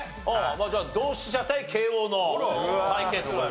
じゃあ同志社対慶應の対決と。